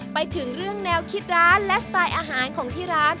ไปถึงเรื่องแนวคิดร้านและสไตล์อาหารของที่ร้าน